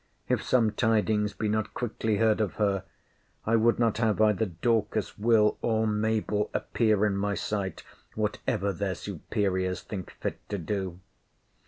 If some tidings be not quickly heard of her, I would not have either Dorcas, Will., or Mabell, appear in my sight, whatever their superiors think fit to do.